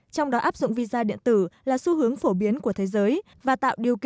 trong đó áp dụng visa điện tử là xu hướng phổ biến của tất cả các nước